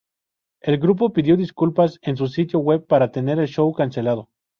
El grupo pidió disculpas en su sitio web para tener el show cancelado.